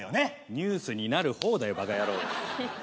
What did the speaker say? ニュースになるほうだよ馬鹿野郎。